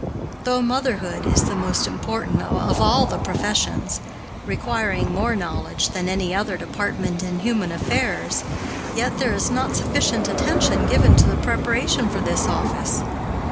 Though motherhood is the most important of all the professions, requiring more knowledge than any other department in human affairs, yet there is not sufficient attention given to the preparation for this office.